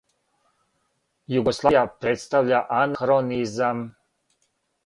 Југославија представља анахронизам!